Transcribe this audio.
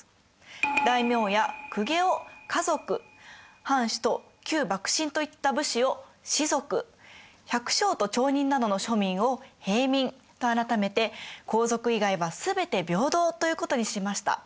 大名や公家を華族藩士と旧幕臣といった武士を士族百姓と町人などの庶民を平民と改めて皇族以外はすべて平等ということにしました。